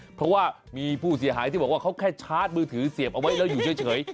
เพราะว่ามีผู้เสียหายที่บอกว่าเขาแค่ชาร์จมือถือเสียบเอาไว้แล้วอยู่เฉย